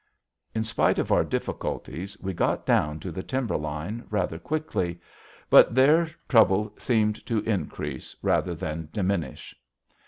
In spite of our difficulties, we got down to the timber line rather quickly. But there trouble seemed to increase rather than diminish.